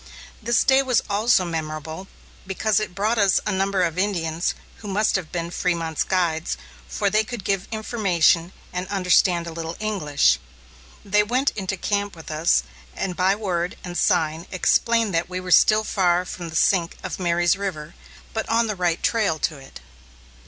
This day was also memorable, because it brought us a number of Indians who must have been Frémont's guides, for they could give information, and understand a little English. They went into camp with us, and by word and sign explained that we were still far from the sink of Mary's River, but on the right trail to it.